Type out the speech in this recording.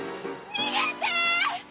逃げて！